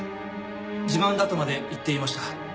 自慢だとまで言っていました。